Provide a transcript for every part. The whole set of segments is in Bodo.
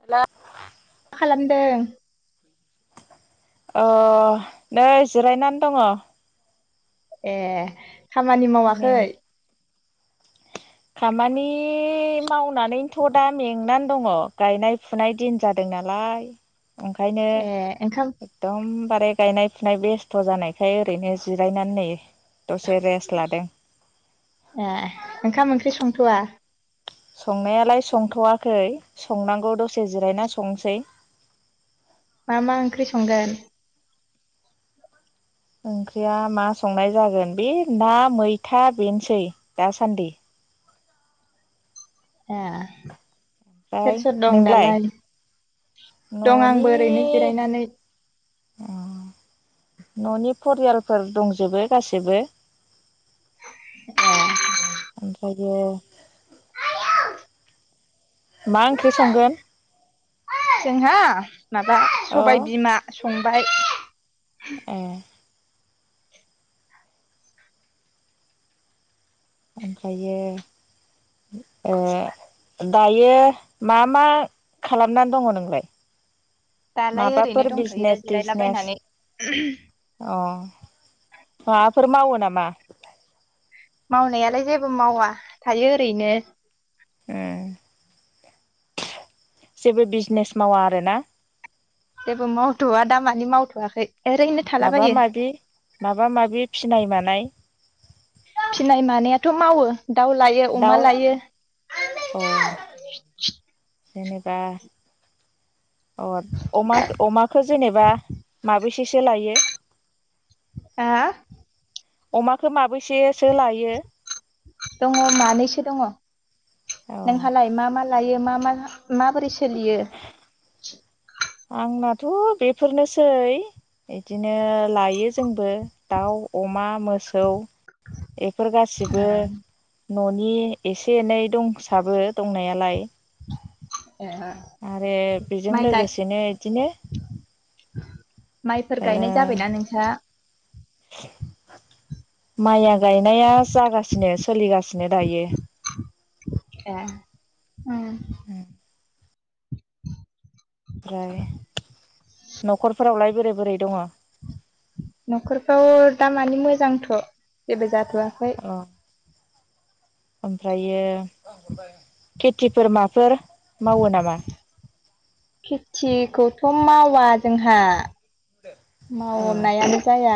हेलाौ मा खालामदों अ नै जिरायनानै दङ ए खामानि में मावाखै खामानि मावनानैनोथ' दा मेंनानै दङ गायनाय फुनाय दिन जादों नालाय ओंखायनो ए ओंखाम एकदम बाराय गायनाय फुनाय बेस्थ' जानायखाय ओरैनो जिरायनानै नै दसे रेस्ट लादों ए ओंखाम ओंख्रि संथ'वा संनायालाय संथ'वाखै संनांगौ दसे जिरायना संनोसै मा मा ओंख्रि संगोन ओंख्रिया मा संनाय जागोन बे ना मैथा बेनोसै दासान्दि ए सोर ओमफ्राय सोर दं नोंलाय दालाय दं आंबो ओरैनो जिरायनानै अ न'नि फरियालफोर दंजोबो गासिबो ए नंथारगौ मा ओंख्रि संगोन जोंहा माबा अ सबाय बिमा संबाय ए ओमफ्रायो ओ दायो मा मा खालामनानै दङ नोंलाय दालाय ओरैनो माबाफोर दंथ'यो बिजनेस थिजनेस जिरायलाबायनानै अ माबाफोर मावो नामा? मावनायालाय जेबो मावा थायो ओरैनो ओम जेबो बिजनेस मावा आरोना जेबो मावथ'आ दामानि मावथ'आखै माबा माबि माबा माबि फिनाय मानाय फिनाय मानायाथ' मावो दाउ लायो अमा दाउ लायो अ जेनेबा अ अमा अमाखौ जेनेबा माबैसेसो लायो। हो अमाखौ माबेैसेसो लायो दङ मानैसो दङ अ नोंहालाय मा मा लायो मा मा माबोरै सोलियो आंनाथ' बेफोरनोसै बिदिनो लायो जोंबो दाउ, अमा, मोसौ, बेफोर गासिबो न'नि एसे एनै दंसाबो दंनायालाय ए आरो बेजों माइ गाय लोगोसेनो बिदिनो माइफोर गायनाय जाबायना नोंस्रा माइया गायनाया जागासिनो सोलिगासिनो दायो ए उम ओमफ्राय न'खरफोरावलाय बोरै बोरै दङ न'खरफ्राव दामानि मोजांथ' जेबो जाथ'वाखै ओमफ्रायो खेथिफोर माफोर मावो नामा खेथिखौथ' मावा जोंहा अ मावनायानो जाया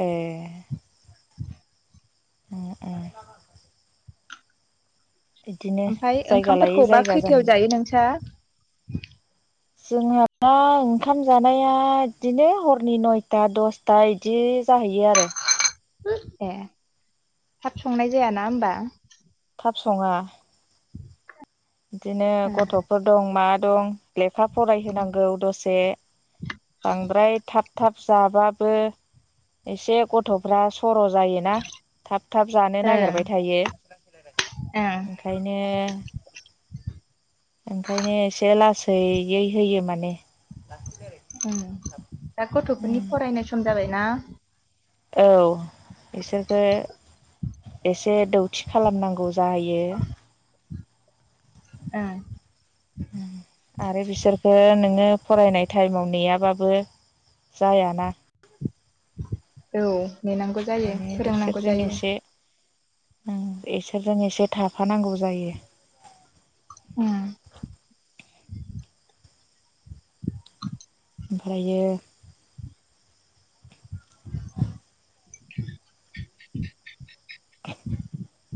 ए [inaudible] ए ए ओमफ्राय जायगा लायै ओंखामफोरखौबा जायगा खैथायाव जाहैबाय जायो नोंस्रा जोंहा दा ओंखाम जानाया बिदिनो हरनि नयथा दसथा इदि जाहैयो आरो ए थाब संनाय जायाना? होमबा थाब सङा बिदिनो गथ'फोर दं मा दं लेखा फरायहोनांगौ दसे बांद्राय थाब थाब जाबाबो एसे गथ'फ्रा स'र' जायोना थाब थाब जानो ओं नागिरबाय थायो ओं ओंखायनो ओंखायनो एसे लासैयै होयो माने उम दा गथ'फोरनि फरायनाय सम जाबायना औ बिसोरखो एसे दौथि खालामनांगौ जायो ओं आरो बिसोरखौ नोङो फरायनाय टाइमाव नेयाबाबो जायाना औ नेनांगौ जायो। ओंखायनो फोरोंनांगौ जायो। एसे बिसोरजों एसे थाफानांगौ जायो उम ओमफ्रायो [inaudible]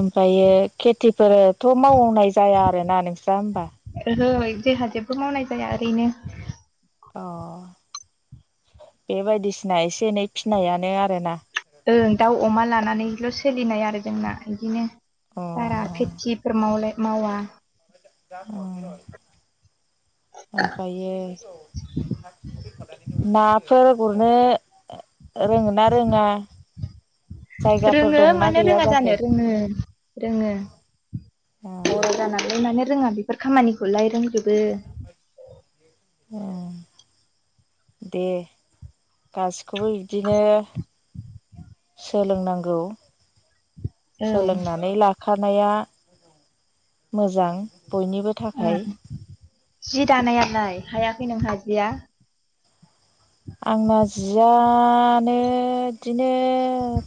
ओमफ्रायो खेथिफोरथ' मावनाय जाया आरोना नोंस्रा होमबा? ओहो जोंहा जेबो मावनाय जाया ओरैनो अ बे बायदिसिना एसे एनै फिनायानो आरोना ओं दाउ अमा लानानैल' सोलिनाय आरो जोंना बिदिनो। अ बारा खेथिफोर मावलाय मावा ओमफ्रायो नाफोर गुरनो रोंङोना रोङा जायगाफोर रोङो दंना मानो गैया रोङा जाखो जानो रोङो रोङो अ बर' जानानैलाय मानो रोङा बेफोर खामानिखौलाय रोंजोबो अ दे गासिखौबो बिदिनो सोलोंनांगौ औ सोलोंनानै लाखानाया मोजां बयनिबो उम थाखाय जि दानायालाय हायाखै नोंहा जिया आंना जिया मानो बिदिनो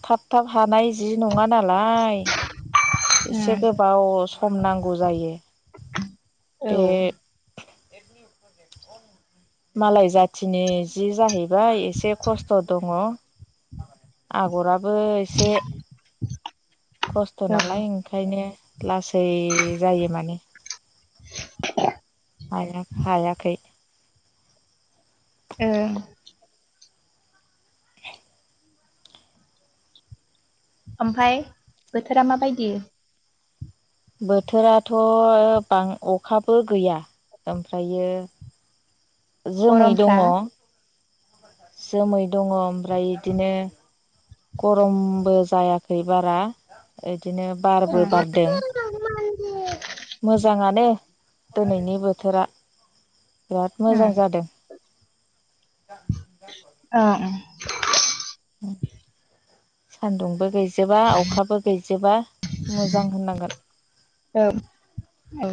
थाब थाब हानाय जि नङाना लाय उम एसे गोबाव सम नांगौ जायो औ बे मालाय जाथिनि जि जाहैबाय एसे खस्थ' दंङ आगराबो एसे खस्थ' औ नालाय ओंखायनो लासै जायो माने हाया हाखै ओ ओमफ्राय बोथोरा माबायदि बोथोराथ' बां अखाबो गैया ओमफ्रायो [inaudible] जोमै दंङ गरमफ्रा जोमै दङ ओमफ्राय बिदिनो गरमबो जायाखै बारा इदिनो उम बारबो बारदों उम मोजांङानो दिनैनि बोथोरा बिराद ओं मोजां जादों ओं सान्दुं बो गै जोबा अखाबो गैजोबा मोजां होननांगोन औ औ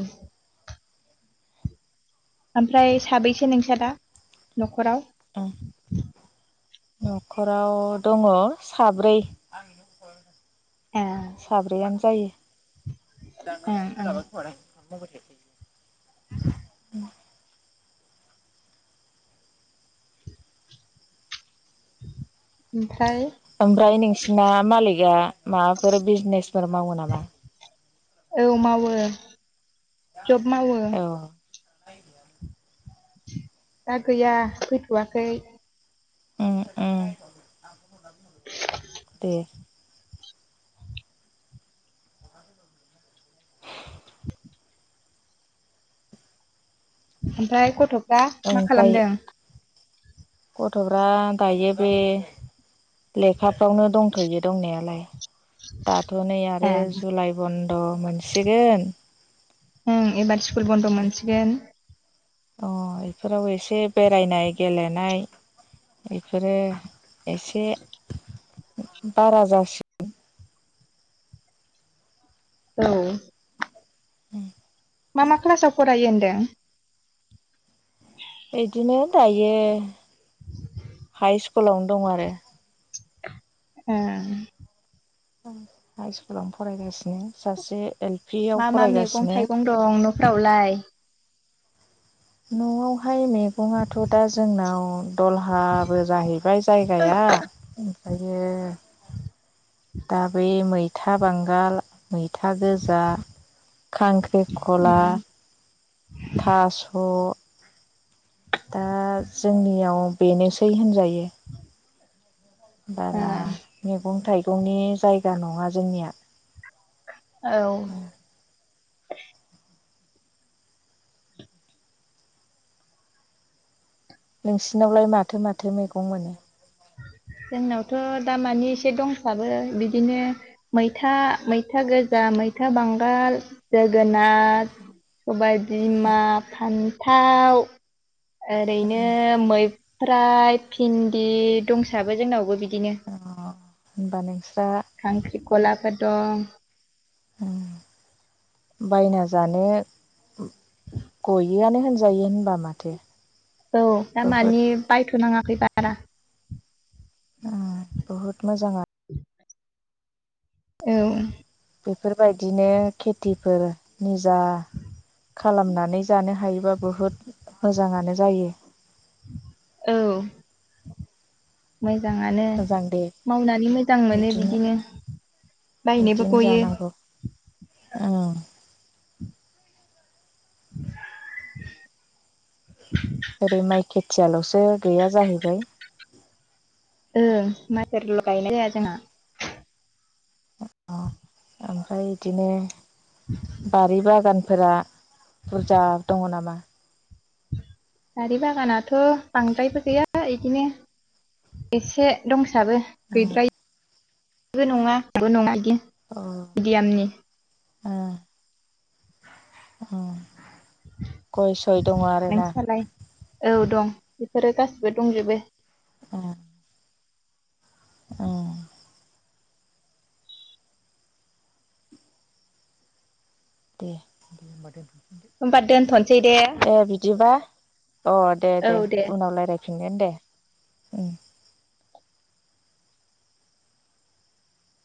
ओमफ्राय साबैसे नोंस्रा दा न'खराव उम न'खराव दङ साब्रै आं ए ओं साब्रैयनो जायो दा ओं सोलाब [unintelligible] [inaudible] [inaudible] ओमफ्राय ओमफ्राय नोंसिना मालिगा माबाफोर बिजनेसफोर मावो नामा औ माववो जब माववो औ [inaudible] दा गैया फैथ'वाखै ओम ओम दे ओमफ्राय गथ'फ्रा मा ओमफ्राय खालामदों गथ'फ्रा दायो बे लेखाफ्रावनो दंथ'यो दंनायालाय दाथ' नै ए आरो जुलाइ बन्द' मोनसिगोन होम एबार स्कुल बन्द' मोनसिगोन अ बेफोराव एसे बेरायनाय गेलेनाय बेफोरो एसे बारा जासिगोन औ [inaudible] मा मा क्लासाव फरायो होनदों बिदिनो दायो हाइ स्कुलावनो दं आरो ओ हाइ सकुलावनो फरायगासिनो सासे एल पि आव मा मा मैगं फरायगासिनो थाइगं दं न'फोरावलाय न'आव है मैगंआथ' दा जोंनाव दलहाबो जाहैबाय जायगाया ओमफ्राय [unintelligible] दा बै मैथा बांगाल मैथा गोजा खांख्रिखला थास' दा जोंनियाव बेनोसै होनजायो बारा ओं मैगं थाइगंनि जायगा नङा जोंनिया औ नोंसिनावलाय माथो माथो मैगं मोनो [unintelligible] जोंनावथ' दाामाने एसे दंसाबो बिदिनो मैथा मैथा गोजाम मैथा बांगाल जोगोनार सबाय बिमा फान्थाव ओरैनो मै ओमफ्राय भिन्दि दंसाबो जोंनावबो बिदि बिदिनो होनबा नोंस्रा खांख्रिखलाफोर दं बायना जानो गयोआनो होनजायो होनबा माथो औ दा बहुद मानि बायथ'नाङाखै बारा बहुत मोजांआ औ बेफोरबायदिनो खेथिफोर निजा खालामनानै जानो हायोबा बुहुद मोजाङानो जायो। औ मोजाङानो मोजां दे मावनानै मोजां मोनो बिदिनो बायनोबो गयो औ [unintelligible] ओरै माइ खेथियाल'सो गैया जाहैबाय म मायब्रा ल गायनाय जाया जोंहा ओमफ्राय बिदिनो बारि बागान फोरा बुरजा दङ' नामा बारि बागानाथ' बांद्रायबो गैया बिदिनो एसे दंसाबो उम गैद्रायिबो नङा बो नङा मिदियेमनि अ अ गयसय दंङ' आरोना नोंसिनालाय औ दं बेफोरो गासिबो दंजोबो। अ अ दे होमबा दोनथ'नोसै [unintelligible] दे बिदिबा अ दे दे उनाव रायलाय फिनगोन दे उम